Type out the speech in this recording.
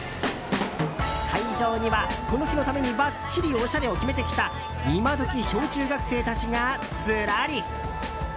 会場には、この日のためにばっちりおしゃれを決めてきたイマドキ小中学生たちがずらり。